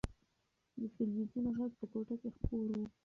د تلویزون غږ په کوټه کې خپور و.